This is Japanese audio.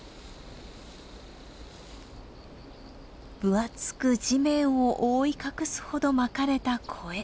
分厚く地面を覆い隠すほどまかれたコエ。